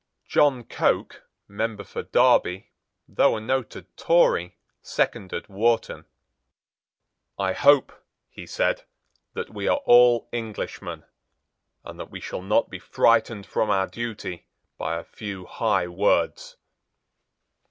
John Coke, member for Derby, though a noted Tory, seconded Wharton. "I hope," he said, "that we are all Englishmen, and that we shall not be frightened from our duty by a few high words."